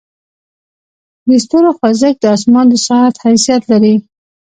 د ستورو خوځښت د اسمان د ساعت حیثیت لري.